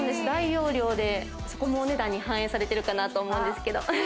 大容量でそこもお値段に反映されているかなと思うんですけれど。